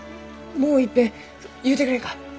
もういっぺん言うてくれんか？